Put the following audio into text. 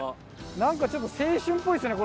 なんかちょっと青春っぽいですよね